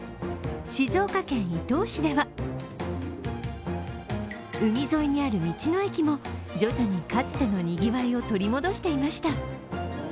静岡県伊東市では海沿いにある道の駅も徐々にかつてのにぎわいを取り戻していました。